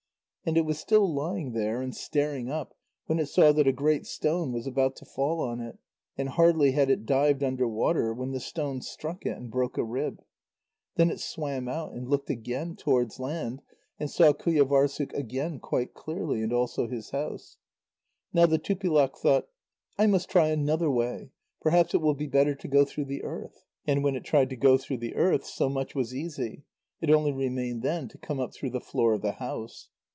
And it was still lying there and staring up, when it saw that a great stone was about to fall on it, and hardly had it dived under water when the stone struck it, and broke a rib. Then it swam out and looked again towards land, and saw Qujâvârssuk again quite clearly, and also his house. Now the Tupilak thought: "I must try another way. Perhaps it will be better to go through the earth." And when it tried to go through the earth, so much was easy; it only remained then to come up through the floor of the house.